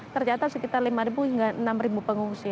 tercatat sekitar lima ribu hingga enam ribu pengungsi